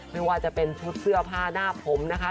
ไม่ว่าจะเป็นชุดเสื้อผ้าหน้าผมนะคะ